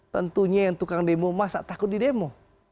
tentunya yang tukang demo masa takut di demo